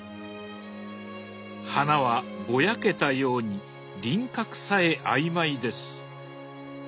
花はぼやけたように輪郭さえ曖昧です。